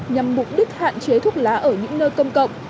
nhằm mục đích hạn chế thuốc lá ở những nơi công cộng